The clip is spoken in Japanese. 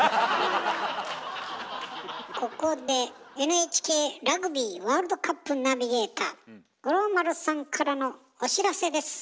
ここでＮＨＫラグビーワールドカップナビゲーター五郎丸さんからのお知らせです。